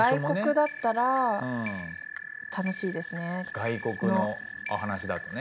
外国のお話だとね。